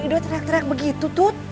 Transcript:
ido teriak teriak begitu tut